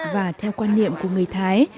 và theo quan niệm của người thái